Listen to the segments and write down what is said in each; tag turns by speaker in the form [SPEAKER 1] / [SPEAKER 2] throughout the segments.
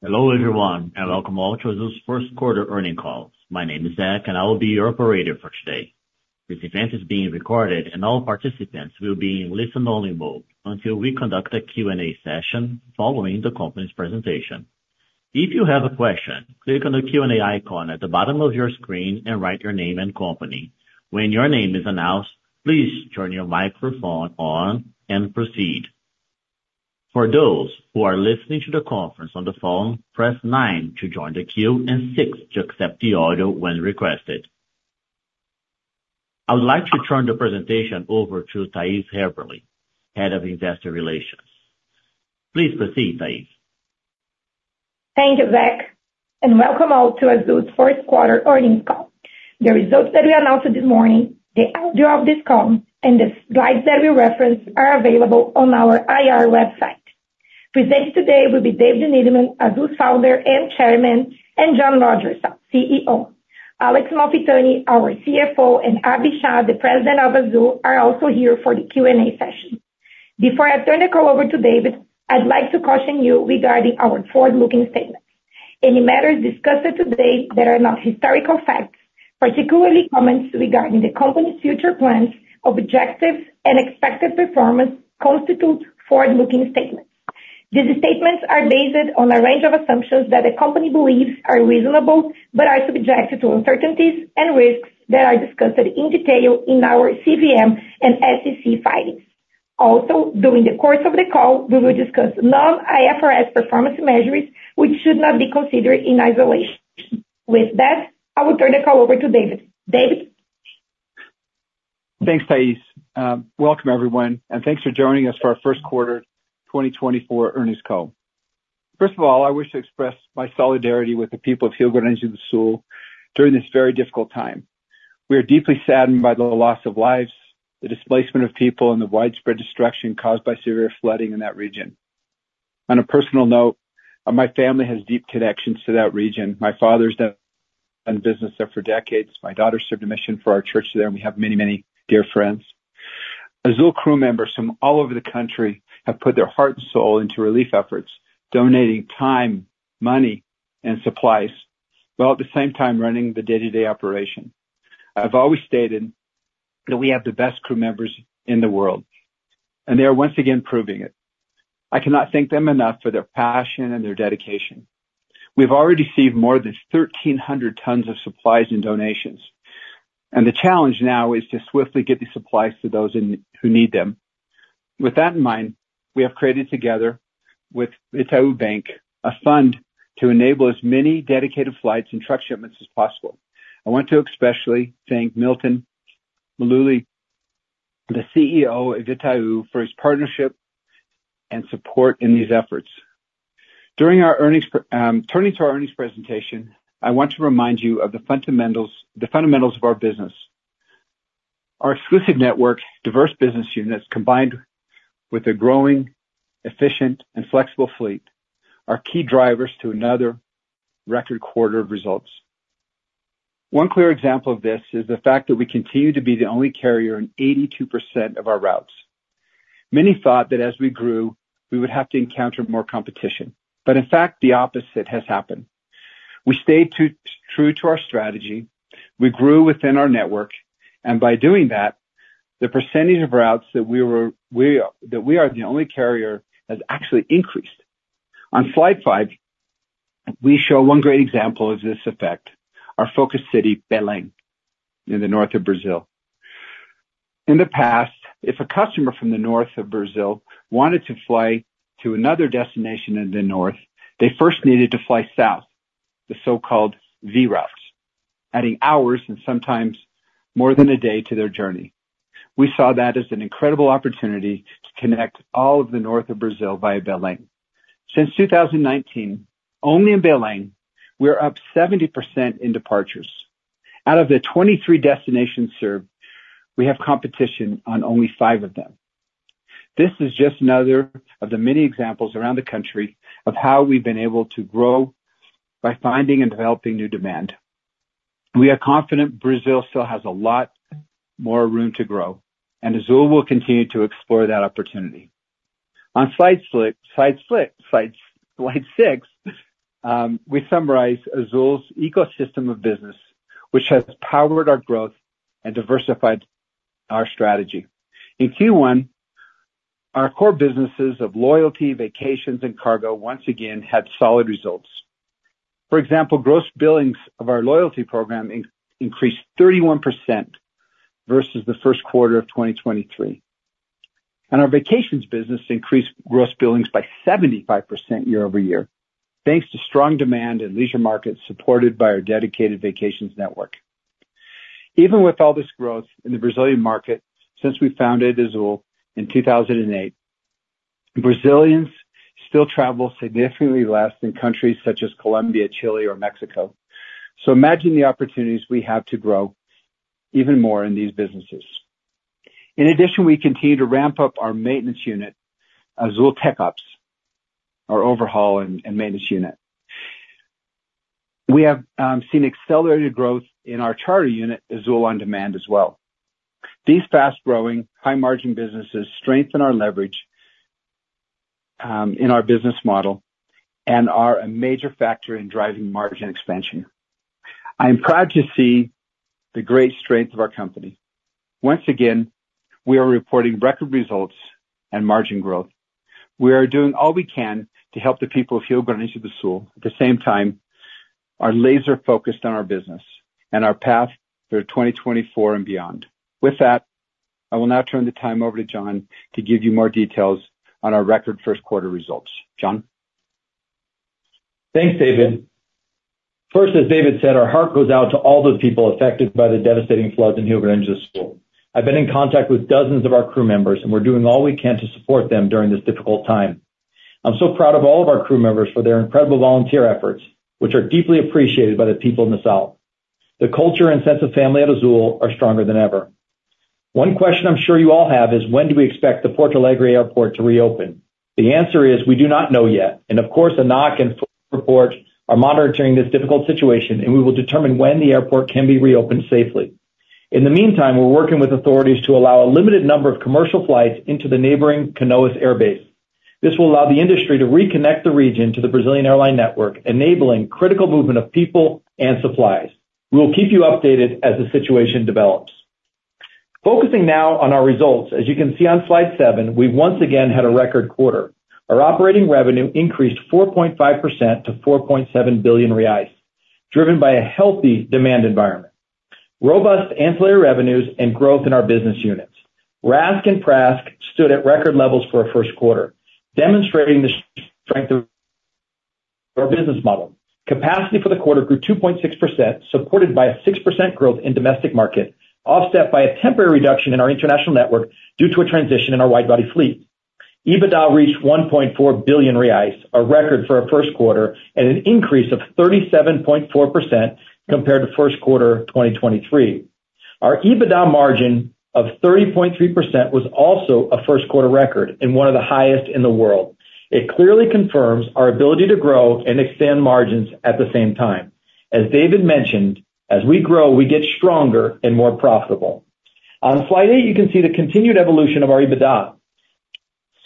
[SPEAKER 1] Hello, everyone, and welcome all to Azul's First Quarter Earnings Call. My name is Zach, and I will be your operator for today. This event is being recorded, and all participants will be in listen only mode until we conduct a Q&A session following the company's presentation. If you have a question, click on the Q&A icon at the bottom of your screen and write your name and company. When your name is announced, please turn your microphone on and proceed. For those who are listening to the conference on the phone, press nine to join the queue and six to accept the audio when requested. I would like to turn the presentation over to Thais Haberli, Head of Investor Relations. Please proceed, Thais.
[SPEAKER 2] Thank you, Zach, and welcome all to Azul's Fourth Quarter Earnings Call. The results that we announced this morning, the audio of this call, and the slides that we reference are available on our IR website. Presenting today will be David Neeleman, Azul's Founder and Chairman, and John Rodgerson, CEO. Alex Malfitani, our CFO, and Abhi Shah, the President of Azul, are also here for the Q&A session. Before I turn the call over to David, I'd like to caution you regarding our forward-looking statements. Any matters discussed today that are not historical facts, particularly comments regarding the company's future plans, objectives and expected performance, constitute forward-looking statements. These statements are based on a range of assumptions that the company believes are reasonable, but are subject to uncertainties and risks that are discussed in detail in our CVM and SEC filings. Also, during the course of the call, we will discuss non-IFRS performance measures, which should not be considered in isolation. With that, I will turn the call over to David. David?
[SPEAKER 3] Thanks, Thais. Welcome, everyone, and thanks for joining us for our first quarter 2024 earnings call. First of all, I wish to express my solidarity with the people of Rio Grande do Sul during this very difficult time. We are deeply saddened by the loss of lives, the displacement of people, and the widespread destruction caused by severe flooding in that region. On a personal note, my family has deep connections to that region. My father's done business there for decades. My daughter served a mission for our church there, and we have many, many dear friends. Azul crew members from all over the country have put their heart and soul into relief efforts, donating time, money, and supplies, while at the same time running the day-to-day operation. I've always stated that we have the best crew members in the world, and they are once again proving it. I cannot thank them enough for their passion and their dedication. We've already received more than 1,300 tons of supplies and donations, and the challenge now is to swiftly get the supplies to those who need them. With that in mind, we have created, together with Itaú Bank, a fund to enable as many dedicated flights and truck shipments as possible. I want to especially thank Milton Maluhy Filho, the CEO of Itaú, for his partnership and support in these efforts. Turning to our earnings presentation, I want to remind you of the fundamentals, the fundamentals of our business. Our exclusive network, diverse business units, combined with a growing, efficient, and flexible fleet, are key drivers to another record quarter of results. One clear example of this is the fact that we continue to be the only carrier in 82% of our routes. Many thought that as we grew, we would have to encounter more competition, but in fact, the opposite has happened. We stayed true to our strategy, we grew within our network, and by doing that, the percentage of routes that we are the only carrier has actually increased. On slide five, we show one great example of this effect, our focus city, Belém, in the north of Brazil. In the past, if a customer from the north of Brazil wanted to fly to another destination in the north, they first needed to fly south, the so-called V routes, adding hours and sometimes more than a day to their journey. We saw that as an incredible opportunity to connect all of the north of Brazil via Belém. Since 2019, only in Belém, we're up 70% in departures. Out of the 23 destinations served, we have competition on only five of them. This is just another of the many examples around the country of how we've been able to grow by finding and developing new demand. We are confident Brazil still has a lot more room to grow, and Azul will continue to explore that opportunity. On slide six, we summarize Azul's ecosystem of business, which has powered our growth and diversified our strategy. In Q1, our core businesses of loyalty, vacations, and cargo once again had solid results. For example, gross billings of our loyalty program increased 31% versus the first quarter of 2023, and our vacations business increased gross billings by 75% year-over-year, thanks to strong demand in leisure markets supported by our dedicated vacations network. Even with all this growth in the Brazilian market since we founded Azul in 2008, Brazilians still travel significantly less than countries such as Colombia, Chile, or Mexico. So imagine the opportunities we have to grow even more in these businesses. In addition, we continue to ramp up our maintenance unit, Azul TecOps, our overhaul and maintenance unit. We have seen accelerated growth in our charter unit, Azul OnDemand as well. These fast-growing, high-margin businesses strengthen our leverage in our business model and are a major factor in driving margin expansion. I am proud to see the great strength of our company. Once again, we are reporting record results and margin growth. We are doing all we can to help the people of Rio Grande do Sul. At the same time, we are laser focused on our business and our path through 2024 and beyond. With that, I will now turn the time over to John to give you more details on our record first quarter results. John?
[SPEAKER 4] Thanks, David. First, as David said, our heart goes out to all those people affected by the devastating floods in Rio Grande do Sul. I've been in contact with dozens of our crew members, and we're doing all we can to support them during this difficult time. I'm so proud of all of our crew members for their incredible volunteer efforts, which are deeply appreciated by the people in the south. The culture and sense of family at Azul are stronger than ever. One question I'm sure you all have is: when do we expect the Porto Alegre Airport to reopen? The answer is we do not know yet, and of course, ANAC and Fraport are monitoring this difficult situation, and we will determine when the airport can be reopened safely. In the meantime, we're working with authorities to allow a limited number of commercial flights into the neighboring Canoas Air Base. This will allow the industry to reconnect the region to the Brazilian airline network, enabling critical movement of people and supplies. We will keep you updated as the situation develops. Focusing now on our results, as you can see on slide seven, we once again had a record quarter. Our operating revenue increased 4.5% to 4.7 billion reais, driven by a healthy demand environment, robust ancillary revenues, and growth in our business units. RASK and PRASK stood at record levels for a first quarter, demonstrating the strength of our business model. Capacity for the quarter grew 2.6%, supported by a 6% growth in domestic market, offset by a temporary reduction in our international network due to a transition in our wide-body fleet. EBITDA reached 1.4 billion reais, a record for our first quarter, and an increase of 37.4% compared to first quarter of 2023. Our EBITDA margin of 30.3% was also a first quarter record and one of the highest in the world. It clearly confirms our ability to grow and expand margins at the same time. As David mentioned, as we grow, we get stronger and more profitable. On Slide eight, you can see the continued evolution of our EBITDA.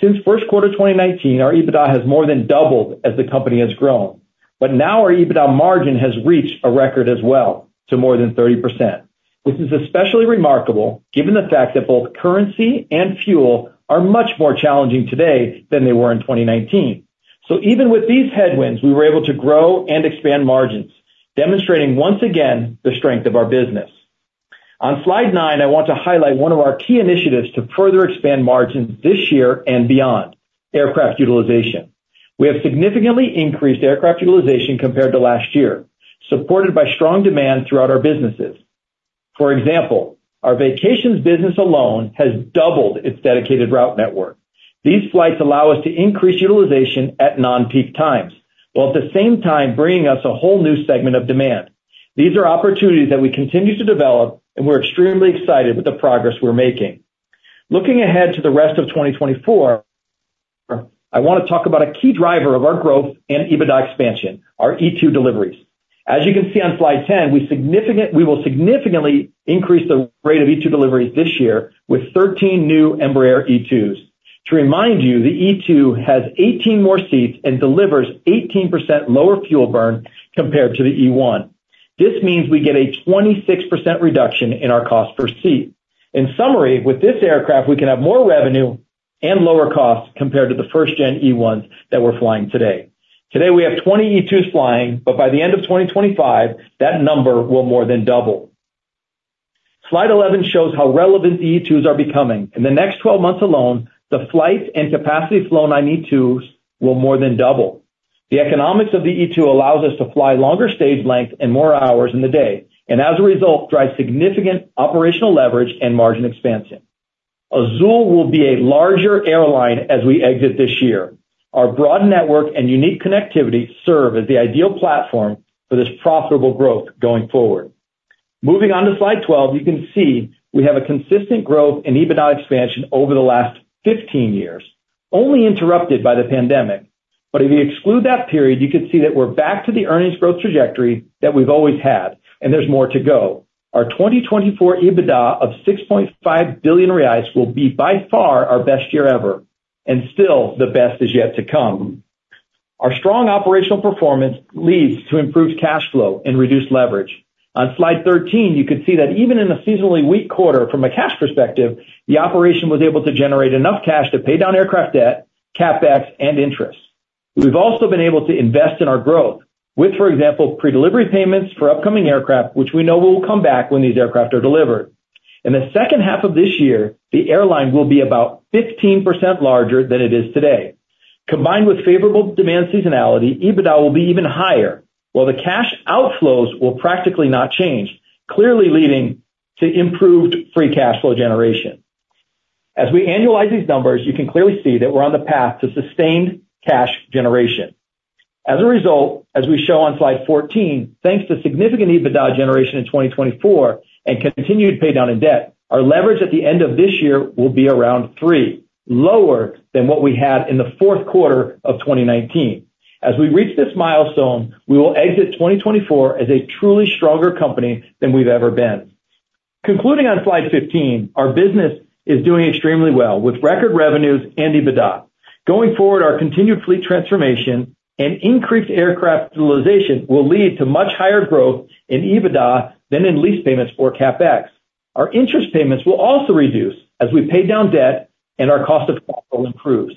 [SPEAKER 4] Since first quarter 2019, our EBITDA has more than doubled as the company has grown, but now our EBITDA margin has reached a record as well to more than 30%. This is especially remarkable given the fact that both currency and fuel are much more challenging today than they were in 2019. So even with these headwinds, we were able to grow and expand margins, demonstrating once again the strength of our business. On Slide nine, I want to highlight one of our key initiatives to further expand margins this year and beyond: aircraft utilization. We have significantly increased aircraft utilization compared to last year, supported by strong demand throughout our businesses. For example, our vacations business alone has doubled its dedicated route network. These flights allow us to increase utilization at non-peak times, while at the same time bringing us a whole new segment of demand. These are opportunities that we continue to develop, and we're extremely excited with the progress we're making. Looking ahead to the rest of 2024, I want to talk about a key driver of our growth and EBITDA expansion, our E2 deliveries. As you can see on Slide 10, we will significantly increase the rate of E2 deliveries this year with 13 new Embraer E2s. To remind you, the E2 has 18 more seats and delivers 18% lower fuel burn compared to the E1. This means we get a 26% reduction in our cost per seat. In summary, with this aircraft, we can have more revenue and lower costs compared to the first-gen E1s that we're flying today. Today, we have 20 E2s flying, but by the end of 2025, that number will more than double. Slide 11 shows how relevant the E2s are becoming. In the next 12 months alone, the flights and capacity flown on E2s will more than double. The economics of the E2 allows us to fly longer stage lengths and more hours in the day, and as a result, drive significant operational leverage and margin expansion. Azul will be a larger airline as we exit this year. Our broad network and unique connectivity serve as the ideal platform for this profitable growth going forward. Moving on to slide 12, you can see we have a consistent growth and EBITDA expansion over the last 15 years, only interrupted by the pandemic. But if you exclude that period, you can see that we're back to the earnings growth trajectory that we've always had, and there's more to go. Our 2024 EBITDA of 6.5 billion reais will be by far our best year ever, and still, the best is yet to come. Our strong operational performance leads to improved cash flow and reduced leverage. On slide 13, you can see that even in a seasonally weak quarter from a cash perspective, the operation was able to generate enough cash to pay down aircraft debt, CapEx, and interest. We've also been able to invest in our growth, with, for example, pre-delivery payments for upcoming aircraft, which we know will come back when these aircraft are delivered. In the second half of this year, the airline will be about 15% larger than it is today. Combined with favorable demand seasonality, EBITDA will be even higher, while the cash outflows will practically not change, clearly leading to improved free cash flow generation. As we annualize these numbers, you can clearly see that we're on the path to sustained cash generation. As a result, as we show on slide 14, thanks to significant EBITDA generation in 2024 and continued pay down of debt, our leverage at the end of this year will be around three, lower than what we had in the fourth quarter of 2019. As we reach this milestone, we will exit 2024 as a truly stronger company than we've ever been. Concluding on slide 15, our business is doing extremely well, with record revenues and EBITDA. Going forward, our continued fleet transformation and increased aircraft utilization will lead to much higher growth in EBITDA than in lease payments or CapEx. Our interest payments will also reduce as we pay down debt and our cost of capital improves.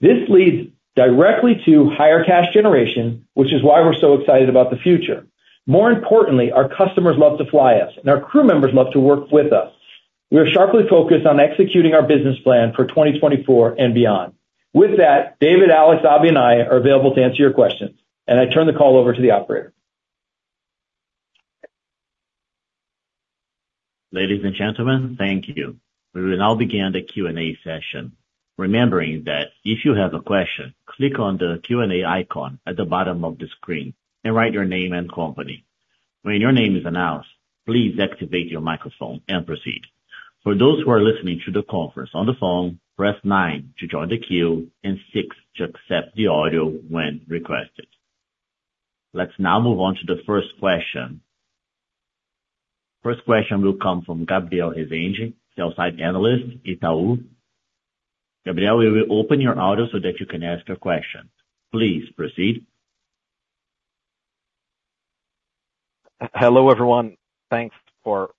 [SPEAKER 4] This leads directly to higher cash generation, which is why we're so excited about the future. More importantly, our customers love to fly us, and our crew members love to work with us. We are sharply focused on executing our business plan for 2024 and beyond. With that, David, Alex, Abhi, and I are available to answer your questions, and I turn the call over to the operator.
[SPEAKER 1] Ladies and gentlemen, thank you. We will now begin the Q&A session. Remembering that if you have a question, click on the Q&A icon at the bottom of the screen and write your name and company. When your name is announced, please activate your microphone and proceed. For those who are listening to the conference on the phone, press nine to join the queue and six to accept the audio when requested. Let's now move on to the first question. First question will come from Gabriel Rezende, sell-side analyst, Itaú. Gabriel, we will open your audio so that you can ask your question. Please proceed.
[SPEAKER 5] Hello, everyone. Thanks for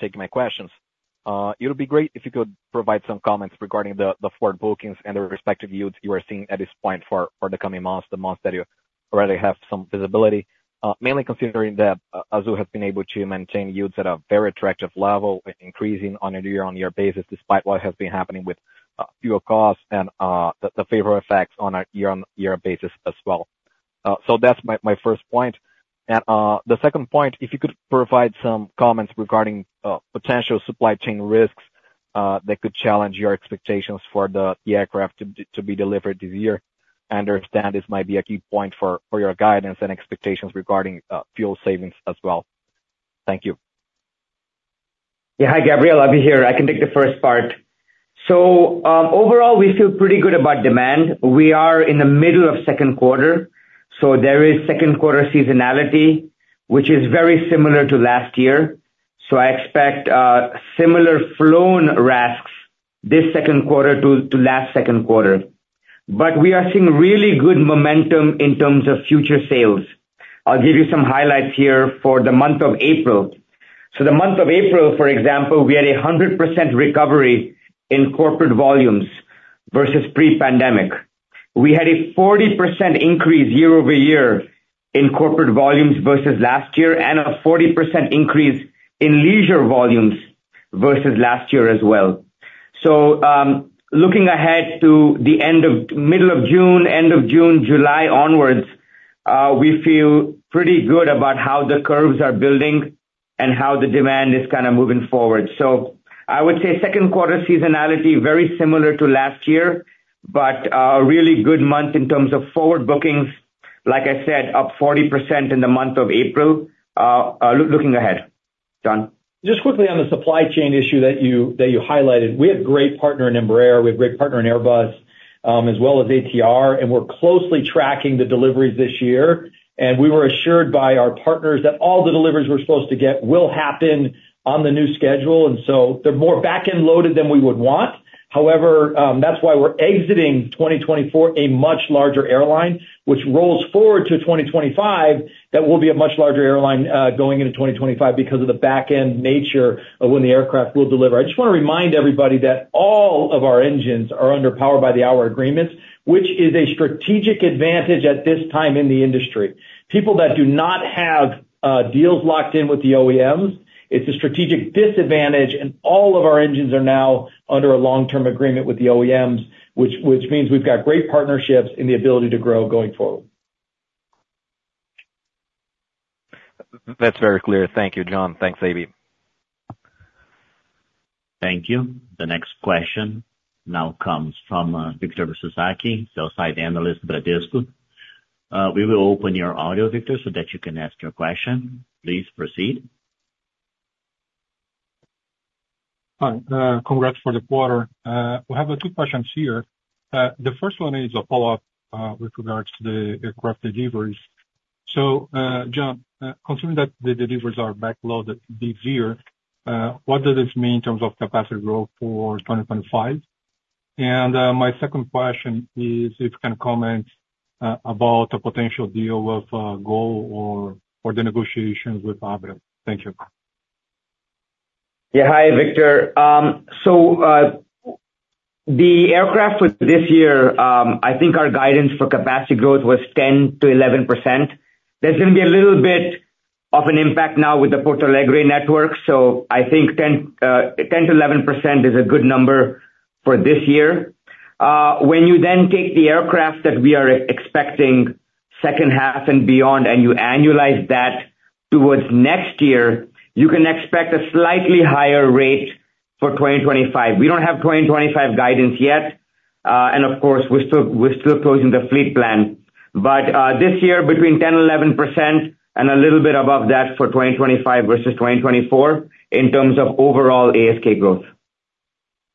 [SPEAKER 5] taking my questions. It would be great if you could provide some comments regarding the forward bookings and the respective yields you are seeing at this point for the coming months, the months that you already have some visibility. Mainly considering that Azul has been able to maintain yields at a very attractive level, with increasing on a year-on-year basis, despite what has been happening with fuel costs and the favorable effects on a year-on-year basis as well. So that's my first point. And the second point, if you could provide some comments regarding potential supply chain risks that could challenge your expectations for the aircraft to be delivered this year. I understand this might be a key point for your guidance and expectations regarding fuel savings as well. Thank you.
[SPEAKER 6] Yeah. Hi, Gabriel, Abhi here. I can take the first part. So, overall, we feel pretty good about demand. We are in the middle of second quarter, so there is second quarter seasonality, which is very similar to last year. So I expect similar flown RASKs this second quarter to last second quarter. But we are seeing really good momentum in terms of future sales. I'll give you some highlights here for the month of April. So the month of April, for example, we had a 100% recovery in corporate volumes versus pre-pandemic. We had a 40% increase year-over-year in corporate volumes versus last year, and a 40% increase in leisure volumes versus last year as well. So, looking ahead to the end of middle of June, end of June, July onwards, we feel pretty good about how the curves are building and how the demand is kind of moving forward. So I would say second quarter seasonality, very similar to last year, but a really good month in terms of forward bookings. Like I said, up 40% in the month of April, looking ahead. John?
[SPEAKER 4] Just quickly on the supply chain issue that you, that you highlighted, we have a great partner in Embraer, we have a great partner in Airbus, as well as ATR, and we're closely tracking the deliveries this year. We were assured by our partners that all the deliveries we're supposed to get will happen on the new schedule, and so they're more back-end loaded than we would want. However, that's why we're exiting 2024 a much larger airline, which rolls forward to 2025. That will be a much larger airline, going into 2025 because of the back-end nature of when the aircraft will deliver. I just want to remind everybody that all of our engines are under power by the hour agreements, which is a strategic advantage at this time in the industry. People that do not have deals locked in with the OEMs, it's a strategic disadvantage, and all of our engines are now under a long-term agreement with the OEMs, which means we've got great partnerships and the ability to grow going forward.
[SPEAKER 5] That's very clear. Thank you, John. Thanks, Abhi.
[SPEAKER 1] Thank you. The next question now comes from Victor Mizusaki, sell-side analyst, Bradesco. We will open your audio, Victor, so that you can ask your question. Please proceed.
[SPEAKER 7] Hi, congrats for the quarter. We have two questions here. The first one is a follow-up with regards to the aircraft deliveries. So, John, considering that the deliveries are backloaded this year, what does this mean in terms of capacity growth for 2025? My second question is if you can comment about a potential deal with Gol or the negotiations with Abra. Thank you.
[SPEAKER 6] Yeah. Hi, Victor. So, the aircraft with this year, I think our guidance for capacity growth was 10%-11%. There's gonna be a little bit of an impact now with the Porto Alegre network, so I think 10%-11% is a good number for this year. When you then take the aircraft that we are expecting second half and beyond, and you annualize that towards next year, you can expect a slightly higher rate for 2025. We don't have 2025 guidance yet, and of course, we're still closing the fleet plan. But, this year between 10%-11% and a little bit above that for 2025 versus 2024 in terms of overall ASK growth.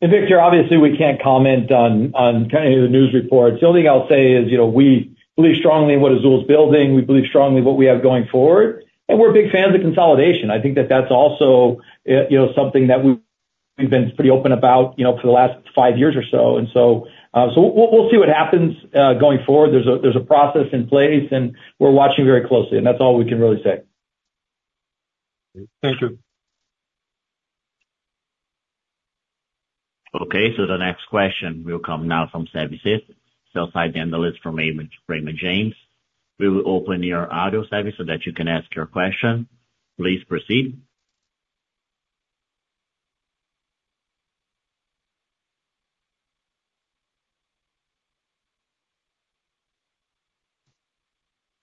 [SPEAKER 4] And Victor, obviously, we can't comment on kind of the news reports. The only thing I'll say is, you know, we believe strongly in what Azul is building. We believe strongly in what we have going forward, and we're big fans of consolidation. I think that that's also, you know, something that we've been pretty open about, you know, for the last five years or so. And so, we'll see what happens going forward. There's a process in place, and we're watching very closely, and that's all we can really say.
[SPEAKER 7] Thank you.
[SPEAKER 1] Okay, so the next question will come now from Savi Syth, sell-side analyst from Raymond James. We will open your audio service so that you can ask your question. Please proceed.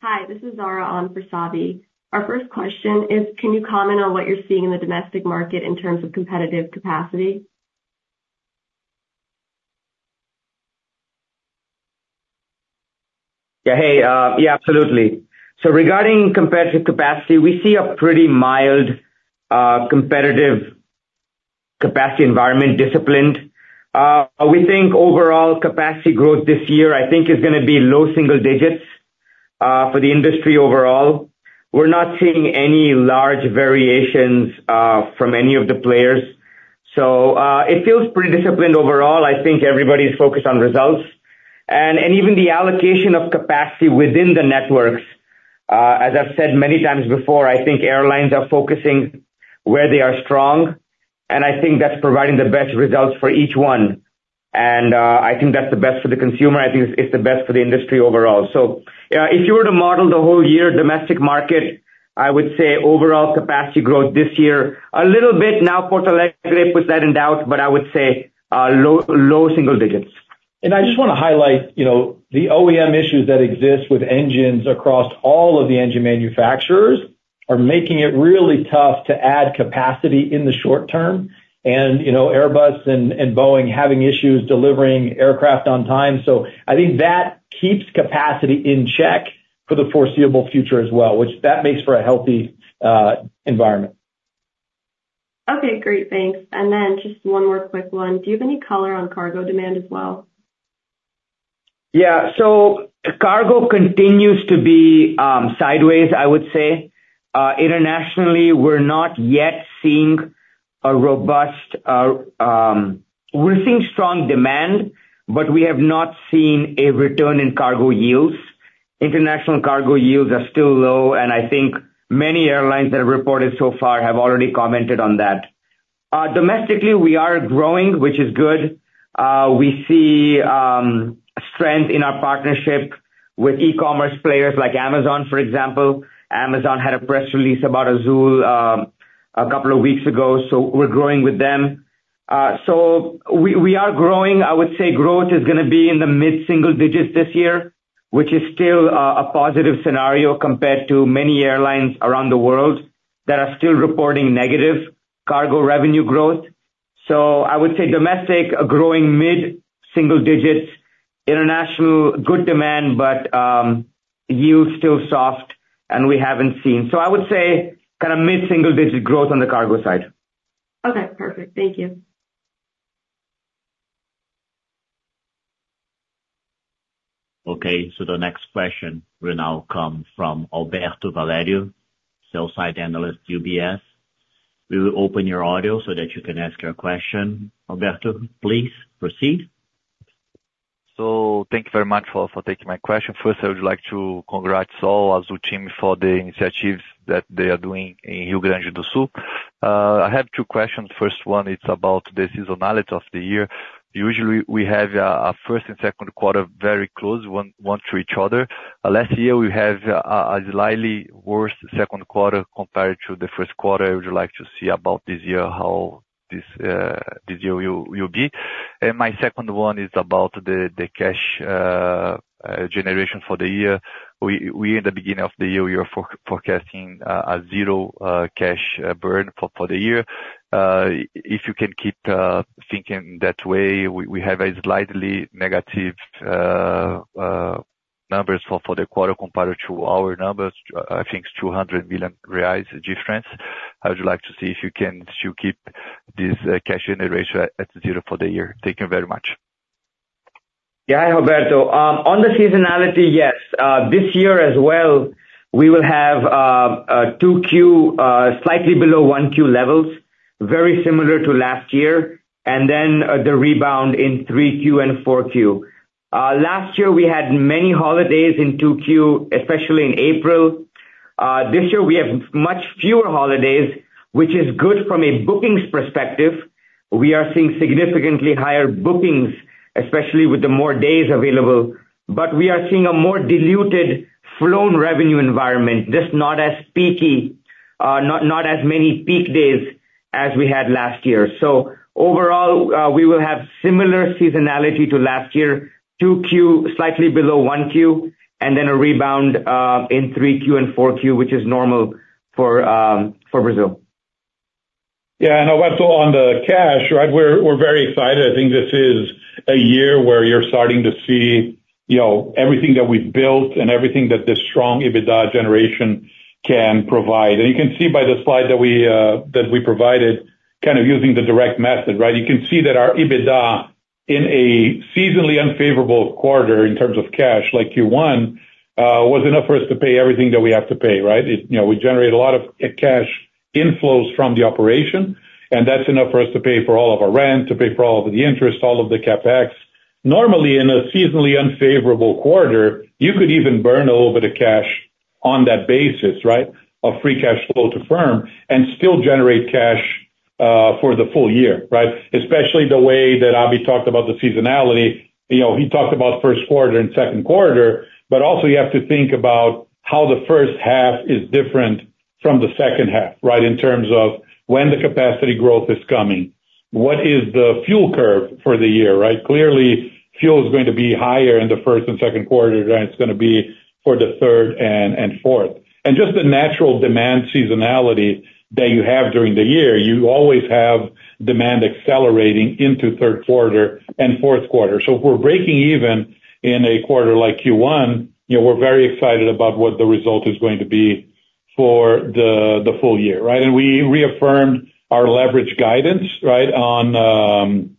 [SPEAKER 8] Hi, this is Zara on for Savi. Our first question is, can you comment on what you're seeing in the domestic market in terms of competitive capacity?
[SPEAKER 6] Yeah, hey, yeah, absolutely. So regarding competitive capacity, we see a pretty mild, competitive capacity environment disciplined. We think overall capacity growth this year, I think, is gonna be low single digits, for the industry overall. We're not seeing any large variations, from any of the players. So, it feels pretty disciplined overall. I think everybody's focused on results. And, and even the allocation of capacity within the networks, as I've said many times before, I think airlines are focusing where they are strong, and I think that's providing the best results for each one. And, I think that's the best for the consumer, I think it's, it's the best for the industry overall. Yeah, if you were to model the whole year domestic market, I would say overall capacity growth this year, a little bit now. Porto Alegre put that in doubt, but I would say low single digits.
[SPEAKER 4] I just wanna highlight, you know, the OEM issues that exist with engines across all of the engine manufacturers, are making it really tough to add capacity in the short term. And, you know, Airbus and, and Boeing having issues delivering aircraft on time. So I think that keeps capacity in check for the foreseeable future as well, which that makes for a healthy environment.
[SPEAKER 8] Okay, great, thanks. And then just one more quick one. Do you have any color on cargo demand as well?
[SPEAKER 6] Yeah. So cargo continues to be sideways, I would say. Internationally, we're not yet seeing a robust... We're seeing strong demand, but we have not seen a return in cargo yields. International cargo yields are still low, and I think many airlines that have reported so far have already commented on that. Domestically, we are growing, which is good. We see strength in our partnership with e-commerce players like Amazon, for example. Amazon had a press release about Azul a couple of weeks ago, so we're growing with them. So we are growing. I would say growth is gonna be in the mid-single digits this year, which is still a positive scenario compared to many airlines around the world that are still reporting negative cargo revenue growth. So I would say domestic, growing mid-single digits, international, good demand, but, yields still soft and we haven't seen. So I would say kind of mid-single digit growth on the cargo side.
[SPEAKER 8] Okay, perfect. Thank you.
[SPEAKER 1] Okay, so the next question will now come from Alberto Valerio, sell-side analyst, UBS. We will open your audio so that you can ask your question. Alberto, please proceed.
[SPEAKER 9] So thank you very much for taking my question. First, I would like to congrats all Azul team for the initiatives that they are doing in Rio Grande do Sul. I have two questions. First one, it's about the seasonality of the year. Usually, we have a first and second quarter, very close, one to each other. Last year, we have a slightly worse second quarter compared to the first quarter. I would like to see about this year, how this year will be. And my second one is about the cash generation for the year. We in the beginning of the year, we are forecasting a zero cash burn for the year. If you can keep thinking that way, we have slightly negative numbers for the quarter compared to our numbers, I think 200 million reais difference. I would like to see if you can still keep this cash generation at zero for the year. Thank you very much.
[SPEAKER 6] Yeah, Alberto, on the seasonality, yes. This year as well, we will have 2Q slightly below 1Q levels, very similar to last year, and then the rebound in 3Q and 4Q. Last year, we had many holidays in 2Q, especially in April. This year, we have much fewer holidays, which is good from a bookings perspective. We are seeing significantly higher bookings, especially with the more days available, but we are seeing a more diluted flown revenue environment, just not as peaky, not as many peak days as we had last year. So overall, we will have similar seasonality to last year, 2Q slightly below 1Q, and then a rebound in 3Q and 4Q, which is normal for Brazil.
[SPEAKER 10] Yeah, and Alberto, on the cash, right? We're, we're very excited. I think this is a year where you're starting to see, you know, everything that we've built and everything that this strong EBITDA generation can provide. And you can see by the slide that we, that we provided, kind of, using the direct method, right? You can see that our EBITDA in a seasonally unfavorable quarter in terms of cash, like Q1, was enough for us to pay everything that we have to pay, right? It, you know, we generate a lot of cash inflows from the operation, and that's enough for us to pay for all of our rent, to pay for all of the interest, all of the CapEx. Normally, in a seasonally unfavorable quarter, you could even burn a little bit of cash on that basis, right, of free cash flow to firm, and still generate cash, for the full year, right? Especially the way that Abhi talked about the seasonality. You know, he talked about first quarter and second quarter, but also you have to think about how the first half is different from the second half, right? In terms of when the capacity growth is coming, what is the fuel curve for the year, right? Clearly, fuel is going to be higher in the first and second quarter, than it's gonna be for the third and, and fourth. And just the natural demand seasonality that you have during the year, you always have demand accelerating into third quarter and fourth quarter. So if we're breaking even in a quarter like Q1, you know, we're very excited about what the result is going to be for the, the full year, right? And we reaffirmed our leverage guidance, right, on,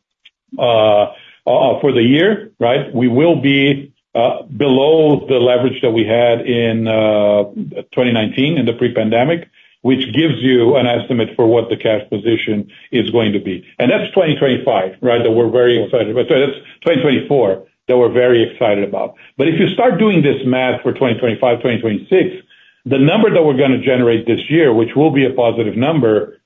[SPEAKER 10] for the year, right? We will be below the leverage that we had in 2019, in the pre-pandemic, which gives you an estimate for what the cash position is going to be. And that's 2025, right? That we're very excited about. Sorry, that's 2024, that we're very excited about. But if you start doing this math for 2025, 2026, the number that we're gonna generate this year, which will be a positive number,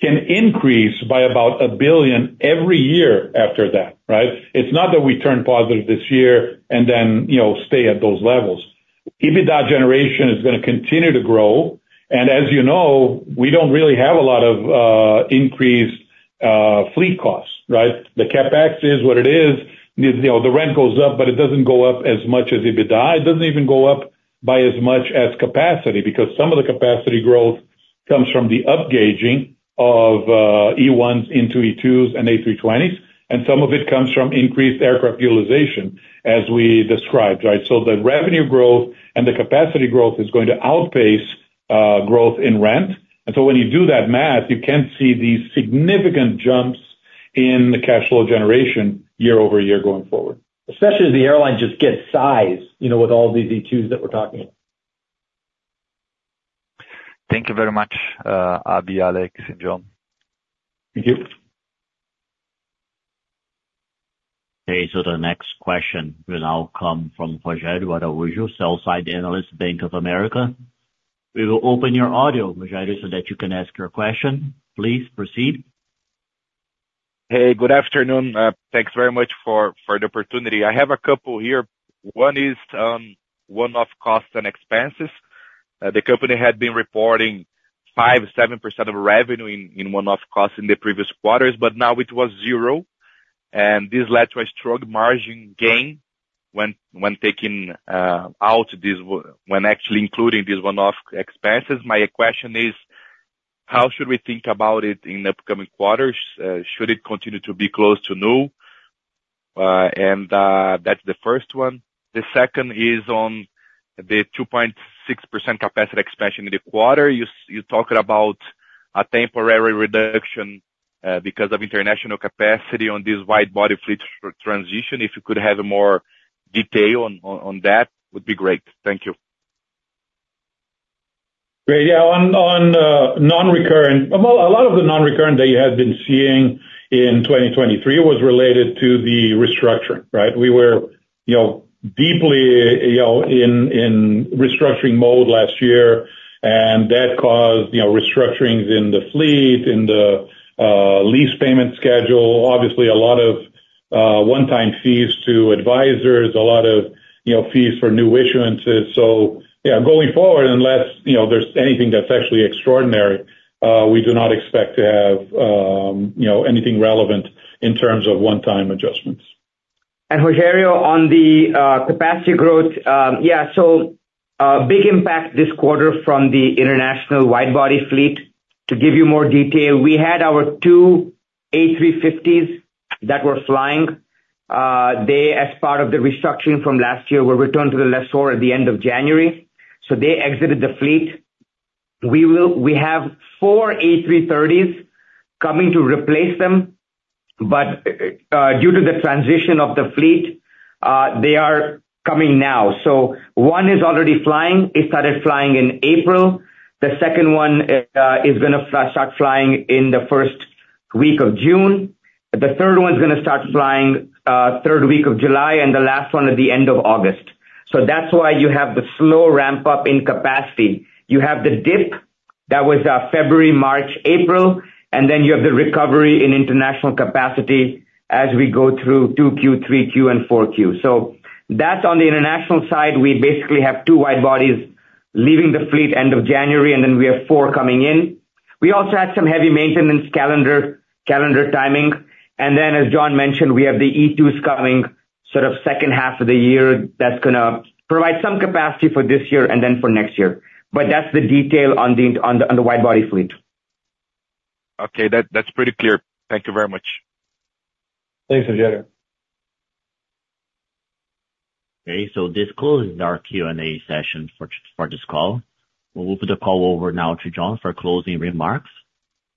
[SPEAKER 10] can increase by about 1 billion every year after that, right? It's not that we turn positive this year and then, you know, stay at those levels. EBITDA generation is gonna continue to grow, and as you know, we don't really have a lot of increased fleet costs, right? The CapEx is what it is. You know, the rent goes up, but it doesn't go up as much as EBITDA. It doesn't even go up by as much as capacity, because some of the capacity growth comes from the upgauging of E1s into E2s and A320s, and some of it comes from increased aircraft utilization, as we described, right? So the revenue growth and the capacity growth is going to outpace growth in rent. And so when you do that math, you can see these significant jumps in the cash flow generation year-over-year, going forward.
[SPEAKER 6] Especially as the airline just gets size, you know, with all these E2s that we're talking about.
[SPEAKER 1] Thank you very much, Abhi, Alex, and John.
[SPEAKER 10] Thank you.
[SPEAKER 1] Okay, so the next question will now come from Rogério Araújo, sell-side analyst, Bank of America. We will open your audio, Rogério, so that you can ask your question. Please proceed.
[SPEAKER 11] Hey, good afternoon. Thanks very much for the opportunity. I have a couple here. One is one-off costs and expenses. The company had been reporting 5-7% of revenue in one-off costs in the previous quarters, but now it was zero, and this led to a strong margin gain when actually including these one-off expenses. My question is: how should we think about it in the upcoming quarters? Should it continue to be close to null? And that's the first one. The second is on the 2.6% capacity expansion in the quarter. You talked about a temporary reduction because of international capacity on this wide-body fleet transition. If you could have more detail on that, would be great. Thank you.
[SPEAKER 10] Great. Yeah, on non-recurrent. Well, a lot of the non-recurrent that you have been seeing in 2023 was related to the restructuring, right? We were, you know, deeply, you know, in restructuring mode last year, and that caused, you know, restructurings in the fleet, in the lease payment schedule. Obviously, a lot of one-time fees to advisors, a lot of, you know, fees for new issuances. So yeah, going forward, unless, you know, there's anything that's actually extraordinary, we do not expect to have, you know, anything relevant in terms of one-time adjustments.
[SPEAKER 6] Rogério, on the capacity growth, yeah, so a big impact this quarter from the international wide body fleet. To give you more detail, we had our 2 A350s that were flying. They, as part of the restructuring from last year, were returned to the lessor at the end of January, so they exited the fleet. We have 4 A330s coming to replace them, but due to the transition of the fleet, they are coming now. So 1 is already flying. It started flying in April. The second one is gonna start flying in the first week of June. The third one is gonna start flying third week of July, and the last one at the end of August. So that's why you have the slow ramp-up in capacity. You have the dip, that was February, March, April, and then you have the recovery in international capacity as we go through 2Q, 3Q, and 4Q. So that's on the international side. We basically have two wide bodies leaving the fleet end of January, and then we have four coming in. We also had some heavy maintenance calendar timing. And then, as John mentioned, we have the E2s coming sort of second half of the year. That's gonna provide some capacity for this year and then for next year. But that's the detail on the wide body fleet.
[SPEAKER 11] Okay, that, that's pretty clear. Thank you very much.
[SPEAKER 10] Thanks, Rogério.
[SPEAKER 1] Okay, so this closes our Q&A session for this call. We'll put the call over now to John for closing remarks.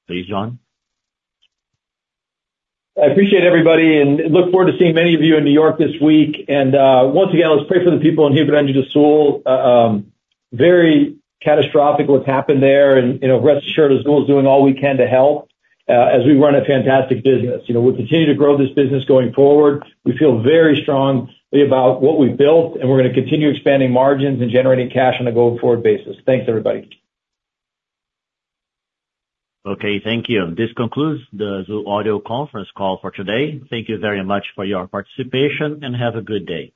[SPEAKER 1] Please, John.
[SPEAKER 4] I appreciate everybody, and look forward to seeing many of you in New York this week. Once again, let's pray for the people in Rio Grande do Sul. Very catastrophic what's happened there, and, you know, rest assured, Azul is doing all we can to help, as we run a fantastic business. You know, we'll continue to grow this business going forward. We feel very strongly about what we've built, and we're gonna continue expanding margins and generating cash on a going-forward basis. Thanks, everybody.
[SPEAKER 1] Okay, thank you. This concludes the Azul audio conference call for today. Thank you very much for your participation, and have a good day.